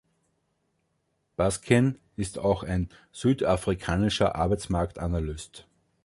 Baskin ist auch ein südafrikanischer Arbeitsmarktanalyst.